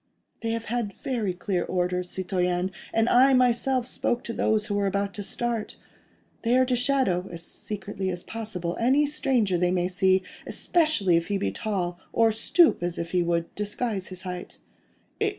"They have had very clear orders, citoyen: and I myself spoke to those who were about to start. They are to shadow—as secretly as possible—any stranger they may see, especially if he be tall, or stoop as if he would disguise his height."